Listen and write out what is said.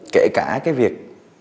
kể cả việc